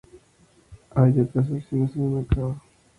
Hay otras versiones en el mercado.